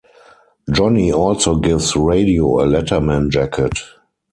Johnny also gives Radio a letterman jacket.